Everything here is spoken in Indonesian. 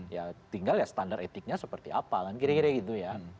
ya tinggal ya standar etiknya seperti apa kan kira kira gitu ya